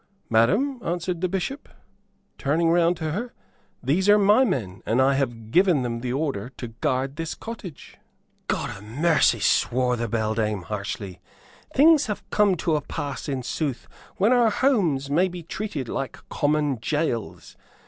"Madam," answered the Bishop, turning round to her, "these are my men, and I have given them the order to guard this cottage." "God a mercy!" swore the beldame, harshly. "Things have come to a pass in sooth when our homes may be treated like common jails.